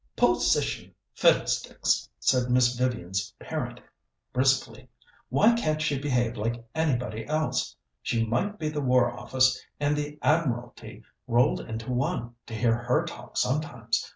"Position fiddlesticks!" said Miss Vivian's parent briskly. "Why can't she behave like anybody else? She might be the War Office and the Admiralty rolled into one, to hear her talk sometimes.